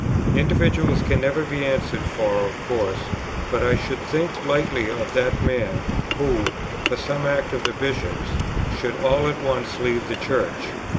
Individuals can never be answered for of course; but I should think lightly of that man, who, for some act of the Bishops, should all at once leave the Church.